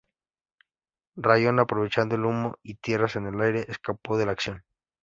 Rayón aprovechando el humo y tierras en el aire, escapó de la acción.